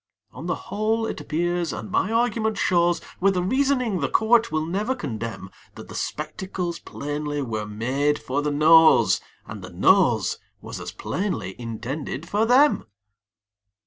On the whole it appears, and my argument shows With a reasoning the court will never condemn, That the spectacles plainly were made for the Nose, And the Nose was as plainly intended for them.